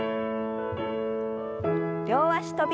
両脚跳び。